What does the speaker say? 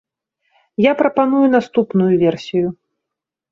Я прапаную наступную версію.